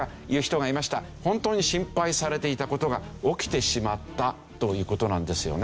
本当に心配されていた事が起きてしまったという事なんですよね。